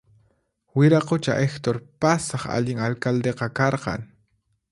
Wiraqucha Hector pasaq allin alcaldeqa karqan